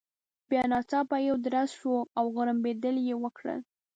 بیا ناڅاپه یو درز شو، او غړمبېدل يې وکړل.